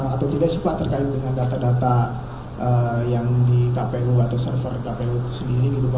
atau tidak sih pak terkait dengan data data yang di kpu atau server kpu itu sendiri gitu pak